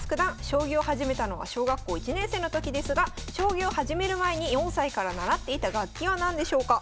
将棋を始めたのは小学校１年生の時ですが将棋を始める前に４歳から習っていた楽器は何でしょうか？